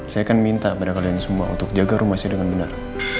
saya akan minta pada kalian semua untuk jaga rumah saya dengan benar